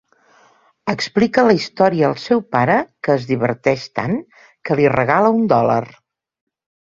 Explica la història al seu pare que es diverteix tant que li regala un dòlar.